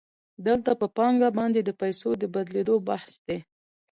دلته په پانګه باندې د پیسو د بدلېدو بحث دی